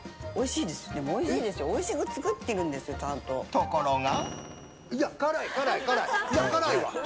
ところが。